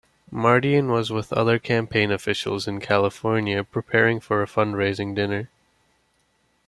Mardian was with other campaign officials in California preparing for a fundraising dinner.